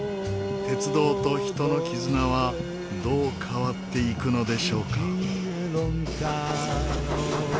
鉄道と人の絆はどう変わっていくのでしょうか。